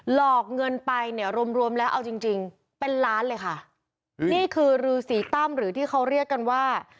หลอกเงินไปเนี่ยรวมรวมแล้วเอาจริงจริงเป็นล้านเลยค่ะนี่คือรือสีตั้มหรือที่เขาเรียกกันว่า